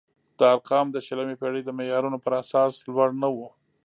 دا ارقام د شلمې پېړۍ د معیارونو پر اساس لوړ نه وو.